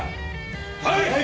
はい！